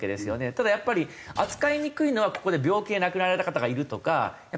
ただやっぱり扱いにくいのはここで病気で亡くなられた方がいるとか独りで亡くなられた方がいる。